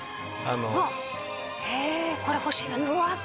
うわっこれ欲しいやつ！